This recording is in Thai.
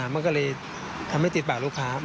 มันก็เลยทำให้ติดปากลูกค้า